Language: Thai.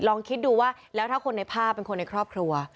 ลองคิดดูว่าแล้วถ้าคนในภาพเป็นคนในครอบครัว